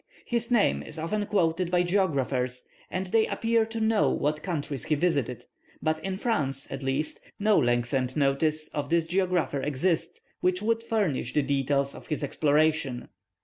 His name is often quoted by geographers, and they appear to know what countries he visited; but in France, at least, no lengthened notice of this geographer exists which would furnish the details of his exploration.